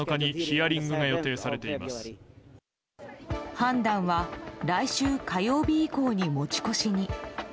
判断は来週火曜日以降に持ち越しに。